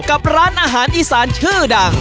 กับร้านอาหารอีสานชื่อดัง